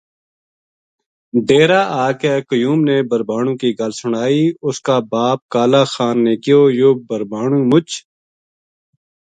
ڈیرے آ کے قیو م نے بھربھانو کی گل سنائی اس کا باپ کالا خان نے کہیو یوہ بھربھانو مُچ